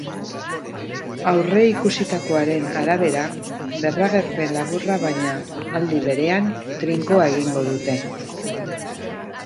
Aurreikusitakoaren arabera, berragerpen laburra baina, aldi berean, trinkoa egingo dute.